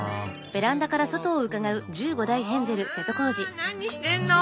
あ何してんの？